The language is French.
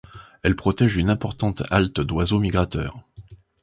Elle protège une importante halte d'oiseaux migrateurs.